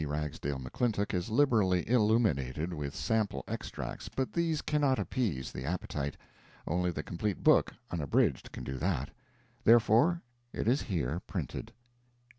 Ragsdale McClintock is liberally illuminated with sample extracts, but these cannot appease the appetite. Only the complete book, unabridged, can do that. Therefore it is here printed.